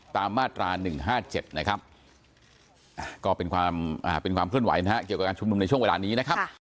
มาตรา๑๕๗นะครับก็เป็นความเคลื่อนไหวนะฮะเกี่ยวกับการชุมนุมในช่วงเวลานี้นะครับ